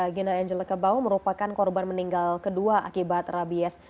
gina angela kabau merupakan korban meninggal kedua akibat rabies